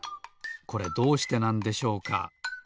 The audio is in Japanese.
これどうしてなんでしょうか？